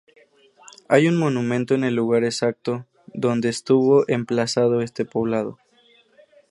Hay un monumento en el lugar exacto donde estuvo emplazado este poblado.